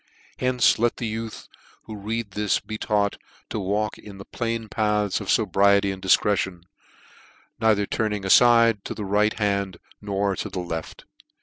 Hence let the youth who r aci this be taught to walk in the plain paths of fobriety and difcretion, " neither turning afide to *' the ri^ht hand nor the left."